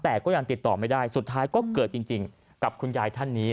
แต่ก็ยังติดต่อไม่ได้สุดท้ายก็เกิดจริงกับคุณยายท่านนี้